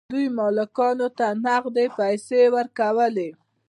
دوی مالکانو ته نغدې پیسې ورکولې.